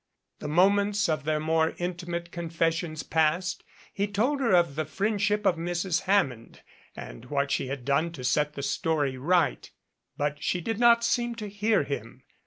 The moments of their more intimate confessions past, he told her of the friendship of Mrs. Hammond and what she had done to set the story right, but she did not seem to hear him.